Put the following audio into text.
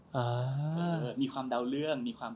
เห้ยอีกคำเดาเรื่อง